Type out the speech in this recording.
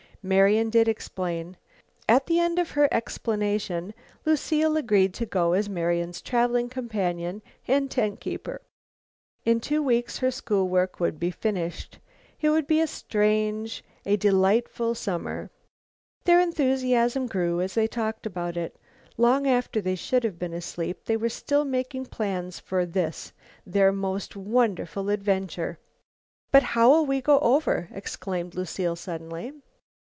Marian did explain. At the end of her explanation Lucile agreed to go as Marian's traveling companion and tent keeper. In two weeks her school work would be finished. It would be a strange, a delightful summer. Their enthusiasm grew as they talked about it. Long after they should have been asleep they were still making plans for this, their most wonderful adventure. "But how'll we go over?" exclaimed Lucile suddenly.